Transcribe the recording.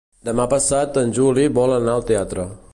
Demà passat en Juli vol anar al teatre.